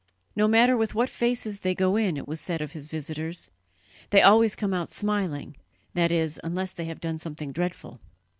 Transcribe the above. "No matter with what faces they go in," it was said of his visitors, "they always come out smiling that is, unless they have done something dreadful."